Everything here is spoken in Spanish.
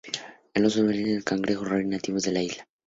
El oso Kodiak y el cangrejo rey son nativos de la isla.